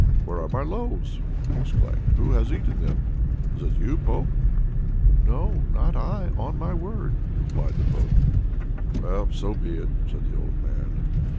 "Where are my loaves?" he exclaimed; "who has eaten them? was it you, Pope?" "No, not I, on my word!" replied the Pope. "Well, so be it," said the old man.